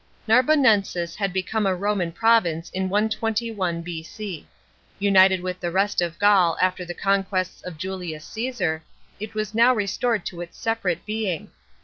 Narbonensis had become a Roman province in 121 B.C. United with the rest of Gaul after the conquests of Julius Caesar, it was now restored to its separate being.